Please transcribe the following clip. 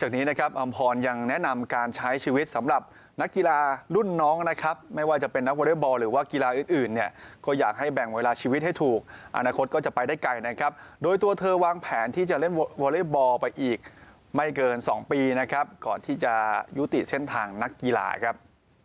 จากนี้นะครับอำพรยังแนะนำการใช้ชีวิตสำหรับนักกีฬารุ่นน้องนะครับไม่ว่าจะเป็นนักวอเล็กบอลหรือว่ากีฬาอื่นเนี่ยก็อยากให้แบ่งเวลาชีวิตให้ถูกอนาคตก็จะไปได้ไกลนะครับโดยตัวเธอวางแผนที่จะเล่นวอเล็กบอลไปอีกไม่เกิน๒ปีนะครับก่อนที่จะยุติเส้นทางนักกีฬาครับ